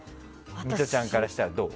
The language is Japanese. ミトちゃんからしたらどう？